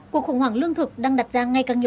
cuộc khủng hoảng lương thực đang đặt ra ngay càng nhiều